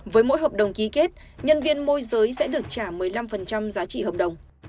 với mỗi hợp đồng ký kết nhân viên môi giới sẽ được trả một mươi năm giá trị hợp đồng